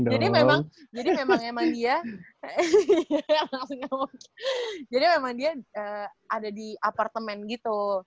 jadi memang jadi memang emang dia jadi memang dia ada di apartemen gitu